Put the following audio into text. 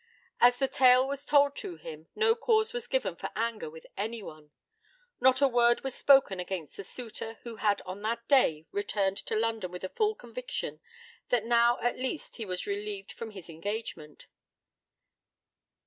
As the tale was told to him no cause was given for anger with anyone. Not a word was spoken against the suitor who had on that day returned to London with a full conviction that now at least he was relieved from his engagement.